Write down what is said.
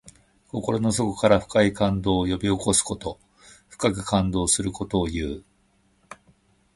心の底から深い感動を呼び起こすこと。深く感動することをいう。